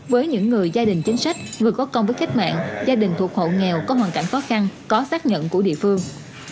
với những người gia đình chính sách người có công với cách mạng gia đình thuộc hộ nghèo có hoàn cảnh khó khăn có xác nhận của địa phương